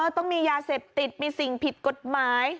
ต้องมียาเสพติดมีสิ่งผิดกฎหมาย